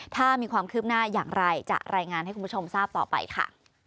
ถ้ามีความคืบหน้าอย่างไรจะรายงานให้คุณผู้ชมทราบต่อไปค่ะ